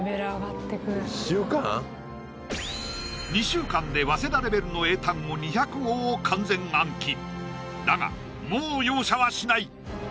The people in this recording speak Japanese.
２週間で早稲田レベルの英単語２００語を完全暗記だがもう容赦はしない！